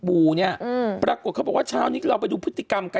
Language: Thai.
สรุปแล้วก็คือเขาบอกว่าแล้วก็โทรมา